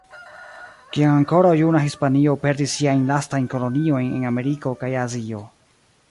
Kiam ankoraŭ juna Hispanio perdis siajn lastajn koloniojn en Ameriko kaj Azio.